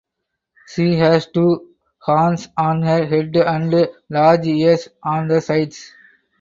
She has two horns on her head and large ears on the sides.